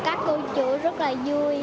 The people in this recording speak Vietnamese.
con nhận quà của các cô chú rất là vui